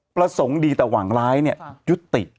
ประสงค์ดีแต่หวังร้ายเนี่ยยุติ